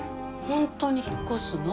本当に引っ越すの？